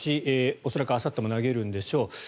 恐らくあさっても投げるんでしょう。